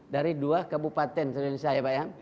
dari dua kabupaten seluruh indonesia ya pak ya